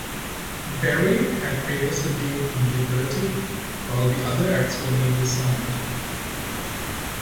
Berry had previously been on Liberty, while the other acts were newly signed.